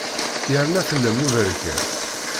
Yerna fell-am uberkan.